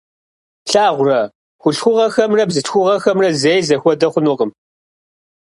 Плъагъурэ, хъулъхугъэхэмрэ бзылъхугъэхэмрэ зэи зэхуэдэ хъунукъым.